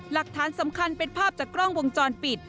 หลักฐานสำคัญเป็นภาพจากกล้องวงจรปิด